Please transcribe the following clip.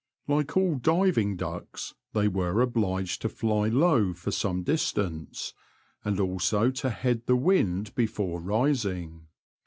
Like all diving ducks they were obliged to fly low for some distance, and also to head the wind before rising.